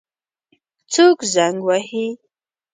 څوک زنګ وهي؟